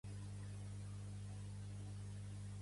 Qui defensa els arbres de ser tallats i matats per humans?